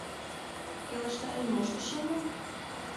Келыштарен моштышым мо?..